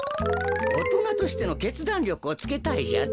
おとなとしてのけつだんりょくをつけたいじゃと？